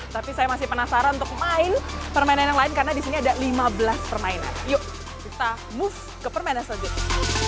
tapi saya masih penasaran untuk main permainan yang lain karena disini ada lima belas permainan yuk kita move ke permainan selanjutnya